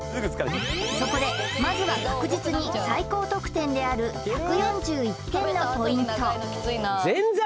そこでまずは確実に最高得点である１４１点のポイント